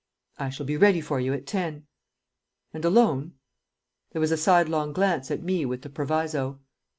"I shall be ready for you at ten." "And alone?" There was a sidelong glance at me with the proviso.